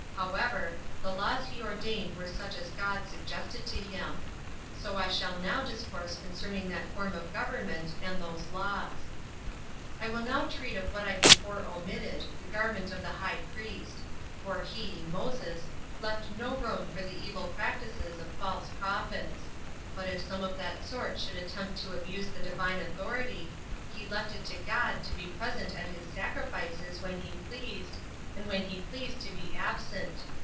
However, the laws he ordained were such as God suggested to him; so I shall now discourse concerning that form of government, and those laws. 9. I will now treat of what I before omitted, the garment of the high priest: for he [Moses] left no room for the evil practices of [false] prophets; but if some of that sort should attempt to abuse the Divine authority, he left it to God to be present at his sacrifices when he pleased, and when he pleased to be absent.